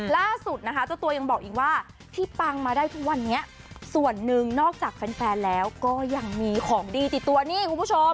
ล่าสุดนะคะเจ้าตัวยังบอกอีกว่าที่ปังมาได้ทุกวันนี้ส่วนหนึ่งนอกจากแฟนแล้วก็ยังมีของดีติดตัวนี่คุณผู้ชม